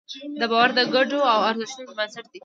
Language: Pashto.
دا باور د ګډو ارزښتونو بنسټ دی.